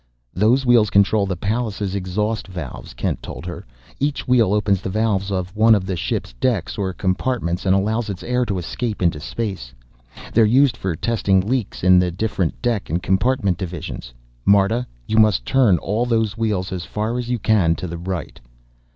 "Those wheels control the Pallas' exhaust valves," Kent told her. "Each wheel opens the valves of one of the ship's decks or compartments and allows its air to escape into space. They're used for testing leaks in the different deck and compartment divisions. Marta, you must turn all those wheels as far as you can to the right."